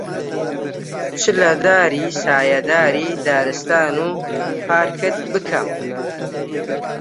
چ لە داری سایەداری دارستان و پارکت بکەم،